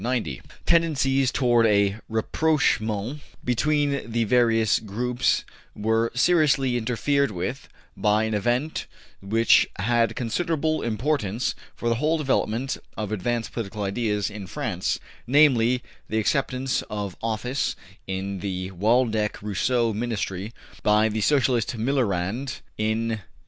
Tendencies toward a rapprochement between the various groups were seriously interfered with by an event which had considerable importance for the whole development of advanced political ideas in France, namely, the acceptance of office in the Waldeck Rousseau Ministry by the Socialist Millerand in 1899.